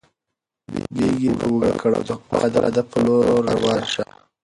بیک په اوږه کړه او د خپل هدف په لور روان شه.